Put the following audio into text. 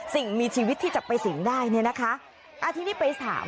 สิ่งมีชีวิตที่จะไปสิงได้เนี่ยนะคะอ่าทีนี้ไปถาม